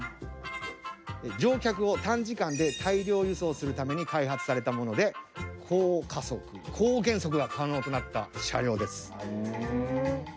乗客を短時間で大量輸送するために開発されたもので高加速・高減速が可能となった車両です。